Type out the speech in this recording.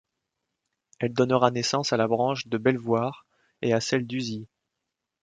Elle donnera naissance à la branche de Belvoir et à celle d'Usie.